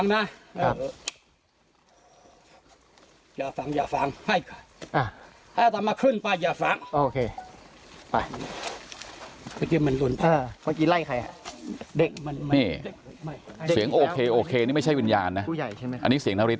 นี่เสียงโอเคนี่ไม่ใช่วิญญาณนะอันนี้เสียงนาฬิศ